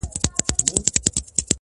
له سهاره تر ماښامه په ژړا یو،